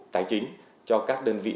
tài chính cho các đơn vị